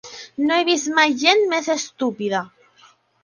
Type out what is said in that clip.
No he vist mai gent més estúpida!